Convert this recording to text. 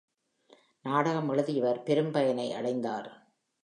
நாடகம் எழுதியவர் பெரும் பயனை அடைந்தார்!